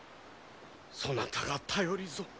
そなたが頼りぞ。